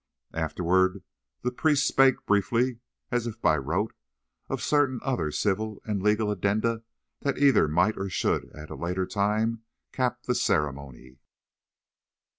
Afterward the priest spake briefly, as if by rote, of certain other civil and legal addenda that either might or should, at a later time, cap the ceremony.